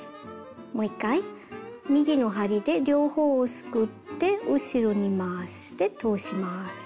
もう一回右の針で両方をすくって後ろに回して通します。